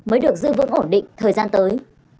mới được giữ vững ổn định thời gian tới